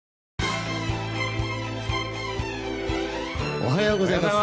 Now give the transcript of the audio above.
おはようございます。